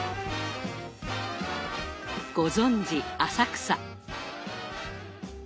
ご存じ浅草。